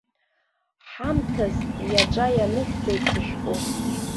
Ҳамҭас иаҿа ианысҵеит сышәҟәы.